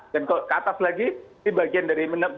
dan kalau ke atas lagi ini bagian dari b enam belas tujuh belas